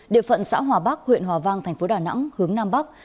địa phận xã hòa bắc huyện hòa vang thành phố đà nẵng hướng nam bắc